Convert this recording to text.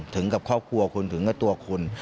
ถึงกับครอบครัวคุณถึงกับตัวคุณ